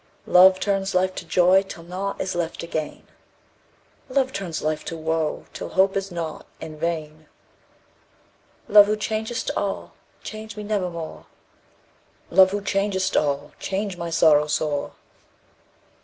Love turns life to joy till nought is left to gain: "Love turns life to woe till hope is nought and vain." Love, who changest all, change me nevermore! "Love, who changest all, change my sorrow sore!"